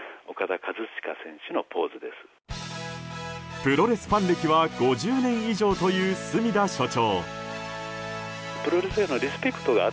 プロレスファン歴は５０年以上という隅田所長。